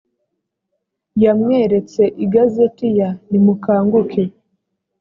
yamweretse igazeti ya nimukanguke .